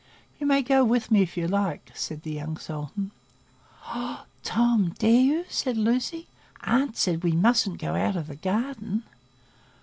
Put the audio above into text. You may go with me if you like," said the young sultan. "Oh, Tom, dare you?" said Lucy. "Aunt said we mustn't go out of the garden."